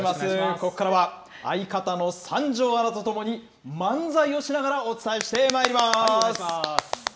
ここからは相方の三條アナと共に、漫才をしながら、お伝えしてまいお願いします。